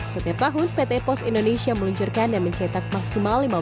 setiap tahun pt pos indonesia meluncurkan dan mencetak maksimal